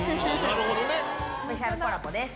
スペシャルコラボです。